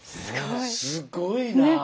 すごいな。